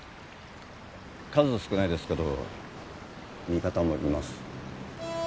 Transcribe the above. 数少ないですけど味方もいます。